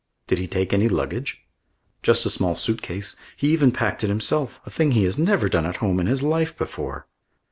"Did he take any luggage?" "Just a small suit case. He even packed it himself, a thing he has never done at home in his life before."